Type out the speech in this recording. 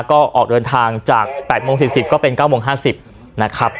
ก็ออกเดินทางจากแปดโมงสิบสิบก็เป็นเก้าโมงห้าสิบนะครับ